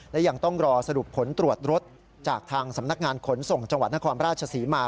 และยังต้องรอสรุปผลตรวจรถจากทางสำนักงานขนส่งจังหวัดนครราชศรีมา